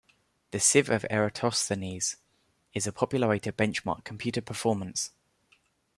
The sieve of Eratosthenes is a popular way to benchmark computer performance.